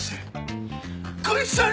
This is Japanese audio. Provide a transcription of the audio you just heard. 「こいつと姐さん